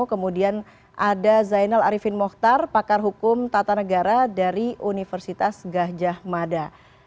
kemudian ada zainal arifin mohtar pakar hukum tata negara dari universitas gajah mada